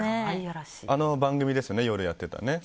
あの番組ですよね、夜やってたね。